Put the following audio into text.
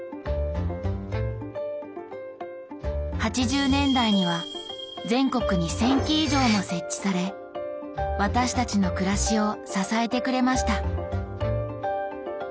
８０年代には全国に１０００基以上も設置され私たちの暮らしを支えてくれました。